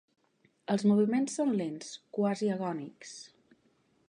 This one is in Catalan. Els moviments són lents, quasi agònics.